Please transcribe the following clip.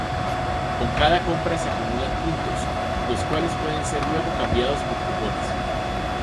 Con cada compra se acumulan puntos, los cuales pueden ser luego cambiados por cupones.